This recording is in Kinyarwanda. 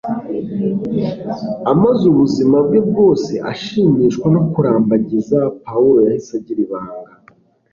Amaze ubuzima bwe bwose ashimishwa no kurambagiza, Pawulo yahise agira ibanga